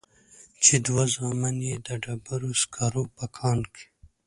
چې دوه زامن يې د ډبرو سکرو په کان کې.